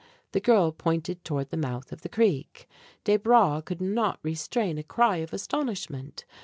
The girl pointed toward the mouth of the creek. Desbra could not restrain a cry of astonishment.